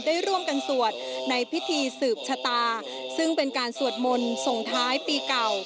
ได้ร่วมกันสวดในพิธีสืบชะตาซึ่งเป็นการสวดมนต์ส่งท้ายปีเก่า